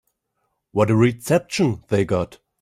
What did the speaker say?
What a reception they got.